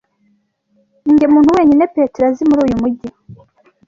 Ninjye muntu wenyine Petero azi muri uyu mujyi.